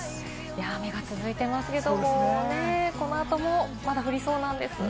雨が続いていますけれど、この後もまだ降りそうなんです。